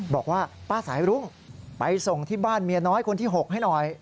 บอกว่าป้าสายรุ้งไปส่งที่บ้านเมียน้อยคนที่๖ให้หน่อย